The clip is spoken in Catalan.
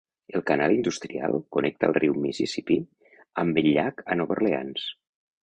El Canal Industrial connecta el riu Mississippi amb el llac a Nova Orleans.